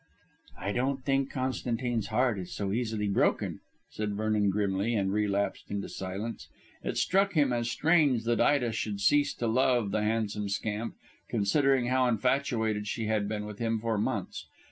"I don't think Constantine's heart is so easily broken," said Vernon grimly, and relapsed into silence. It struck him as strange that Ida should cease to love the handsome scamp, considering how infatuated she had been with him for months.